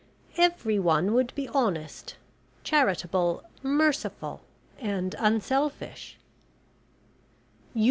Everyone would be honest, charitable, merciful, and unselfish.